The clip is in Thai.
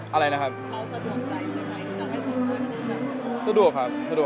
เอ่อไม่มีเหตุผลครับพี่